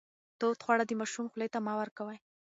تود خواړه د ماشوم خولې ته مه ورکوئ.